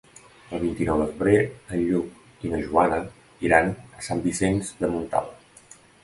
El vint-i-nou de febrer en Lluc i na Joana iran a Sant Vicenç de Montalt.